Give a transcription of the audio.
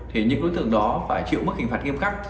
thì những đối tượng đó phải chịu mức hình phạt nghiêm khắc